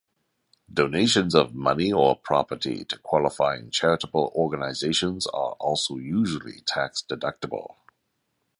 Donations of money or property to qualifying charitable organizations are also usually tax deductible.